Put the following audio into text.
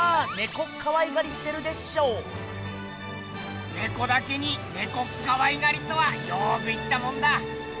まずはネコだけに「ネコっ可愛がり」とはよく言ったもんだ。